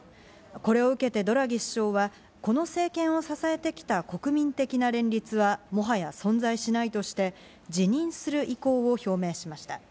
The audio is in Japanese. これを受けてドラギ首相はこの政権を支えてきた国民的な連立は、もはや存在しないとして、辞任する意向を表明しました。